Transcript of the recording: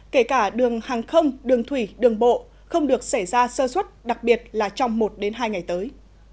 kể cả đường hàng không đường thủy đường bộ không được xảy ra sơ xuất đặc biệt là trong một hai ngày tới